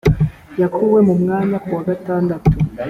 yakuwe mu mwanya ku wa gatandatu